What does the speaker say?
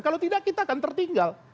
kalau tidak kita akan tertinggal